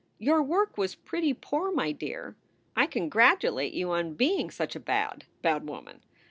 Your work was pretty poor, my dear. I congratulate you on being such a bad bad woman.